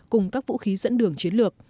cùng các vũ khí dẫn đường chiến lược